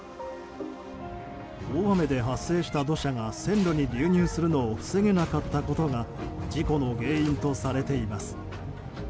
大雨で発生した土砂が線路に流入するのを防げなかったことが事故の原因とされています。